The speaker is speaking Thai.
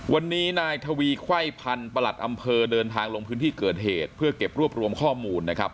วันนี้นายทวีไขว้พันธุ์ประหลัดอำเภอเดินทางลงพื้นที่เกิดเหตุเพื่อเก็บรวบรวมข้อมูลนะครับ